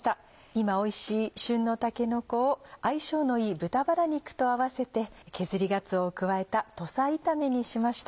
今おいしい旬のたけのこを相性のいい豚バラ肉と合わせて削りがつおを加えた土佐炒めにしました。